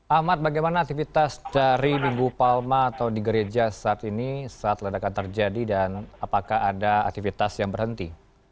ahmad bagaimana aktivitas dari minggu palma atau di gereja saat ini saat ledakan terjadi dan apakah ada aktivitas yang berhenti